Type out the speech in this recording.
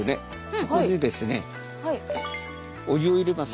ここにですねお湯を入れます。